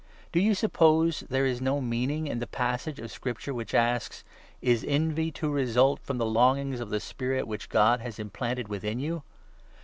Do you sup 5 pose there is no meaning in the passage of Scripture which asks —' Is envy to result from the longings of the Spirit which God has implanted within you